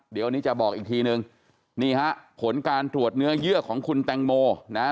เดี๋ยวนี้จะบอกอีกทีนึงนี่ฮะผลการตรวจเนื้อเยื่อของคุณแตงโมนะฮะ